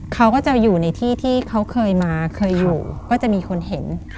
เขาก็จะอยู่ในที่ที่เขาเคยมาเคยอยู่ก็จะมีคนเห็น